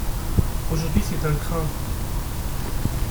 Aujourd’hui c’est un crin !